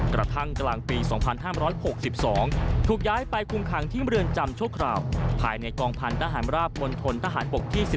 กระทั่งกลางปี๒๕๖๒ถูกย้ายไปคุมขังที่เมืองจำชั่วคราวภายในกองพันธหารราบมณฑนทหารบกที่๑๑